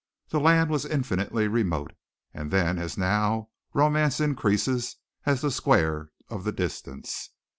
The land was infinitely remote; and then, as now, romance increases as the square of the distance.